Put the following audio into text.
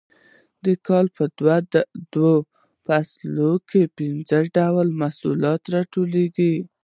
د کال په دوو فصلونو کې پنځه ډوله محصولات راټولول